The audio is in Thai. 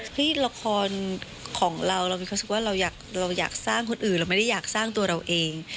ละครของเราเรามีความรู้สึกว่าเราอยากสร้างคนอื่นเราไม่ได้อยากสร้างตัวเราเอง